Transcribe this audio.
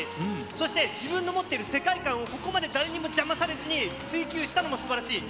そして、自分の持ってる世界観をここまで誰にも邪魔されずに追求したのもすばらしい。